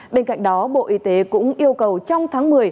bên cạnh đó bộ y tế cũng yêu cầu trong tháng một mươi